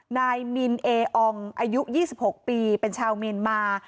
นายมินเออองอายุ๒๖ปีเป็นชาวเมียนมา